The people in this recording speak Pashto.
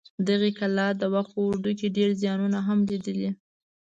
دغې کلا د وخت په اوږدو کې ډېر زیانونه هم لیدلي.